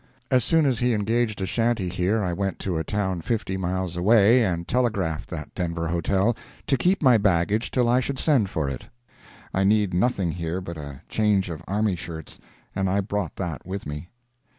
As soon as he engaged a shanty here I went to a town fifty miles away and telegraphed that Denver hotel to keep my baggage till I should send for it. I need nothing here but a change of army shirts, and I brought that with me.